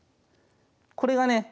これがね